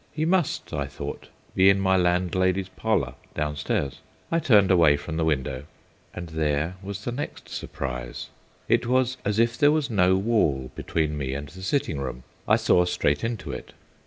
He must, I thought, be in my landlady's parlour downstairs. I turned away from the window, and there was the next surprise. It was as if there was no wall between me and the sitting room. I saw straight into it.